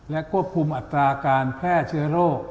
และควบคุมอัตราการแพร่เชื้อโรค